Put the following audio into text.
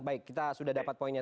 baik kita sudah dapat poinnya